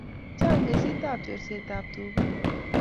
Chang kesit ab chorest ab tuka